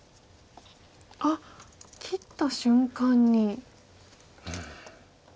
あっ切った瞬間に。